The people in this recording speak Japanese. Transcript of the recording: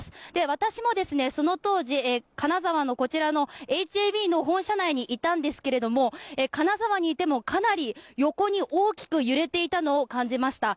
私もその当時、金沢のこちらのＨＡＢの本社内にいたんですけれども金沢にいてもかなり横に大きく揺れていたのを感じました。